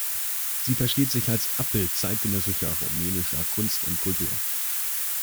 Sie versteht sich als Abbild zeitgenössischer rumänischer Kunst und Kultur.